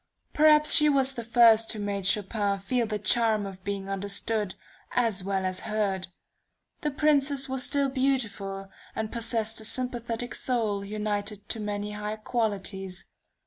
Perhaps she was the first who made Chopin feel the charm of being understood, as well as heard. The Princess was still beautiful, and possessed a sympathetic soul united to many high qualities.